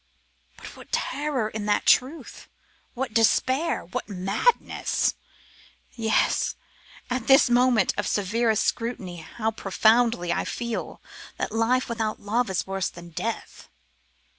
'But, what terror in that truth! what despair! what madness! Yes! at this moment of severest scrutiny, how profoundly I feel that life without love is worse than death!